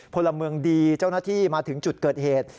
พลเมืองดีเจ้าหน้าที่มาถึงจุดเกิดเหตุ